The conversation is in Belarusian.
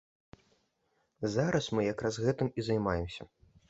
Зараз мы як раз гэтым і займаемся.